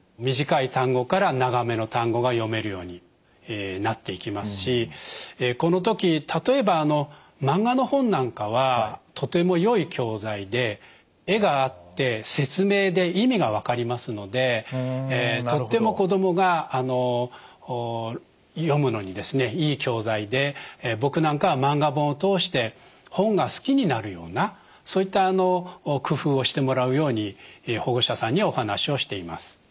短い単語から長めの単語が読めるようになっていきますしこの時例えばマンガの本なんかはとてもよい教材で絵があって説明で意味が分かりますのでとっても子どもが読むのにいい教材で僕なんかはマンガ本を通して本が好きになるようなそういった工夫をしてもらうように保護者さんにはお話をしています。